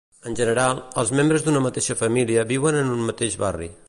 En general, els membres d'una mateixa família vivien en un mateix barri.